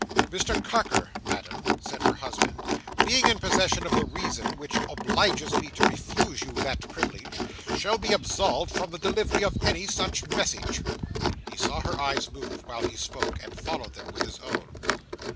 "Mr Carker, Madam," said her husband, "being in possession of the reason which obliges me to refuse you that privilege, shall be absolved from the delivery of any such message." He saw her eyes move, while he spoke, and followed them with his own.